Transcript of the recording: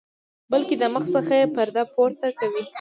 بلکې د مخ څخه یې پرده پورته کوي.